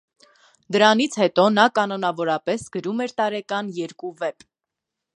Դրանից հետո նա կանոնավորապես գրում էր տարեկան երկու վեպ։